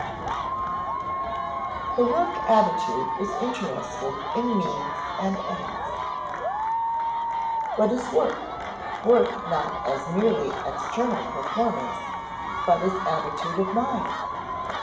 [Sidenote: The work attitude is interested in means and ends] What is work work not as mere external performance, but as attitude of mind?